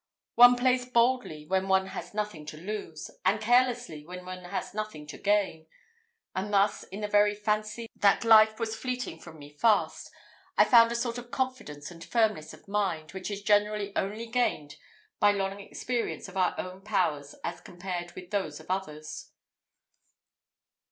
One plays boldly when one has nothing to lose, and carelessly when one has nothing to gain; and thus, in the very fancy that life was fleeting from me fast, I found a sort of confidence and firmness of mind, which is generally only gained by long experience of our own powers as compared with those of others.